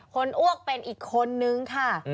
อ้วกเป็นอีกคนนึงค่ะ